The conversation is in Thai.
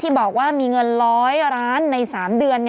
พี่บอกว่ามีเงิน๑๐๐ร้านในสามเดือน